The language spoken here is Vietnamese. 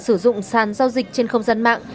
sử dụng sàn giao dịch trên không gian mạng